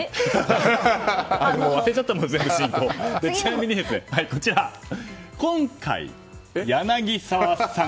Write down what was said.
ちなみに、柳澤さん。